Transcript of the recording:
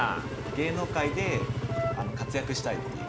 芸能界で活躍したいっていう。